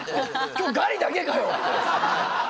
今日ガリだけかよ！」